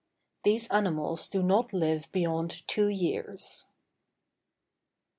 These animals do not live beyond two years.